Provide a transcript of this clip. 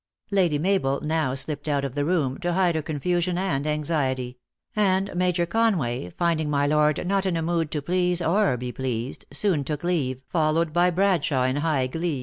Lady Mabel now slipped out of the room, to hide her confusion and anxiety ; and Major Conway, find ing my lord not in a mood to please or be pleased, THE ACTRESS IN HIGH LIFE.